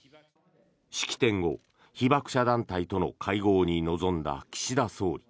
式典後、被爆者団体との会合に臨んだ岸田総理。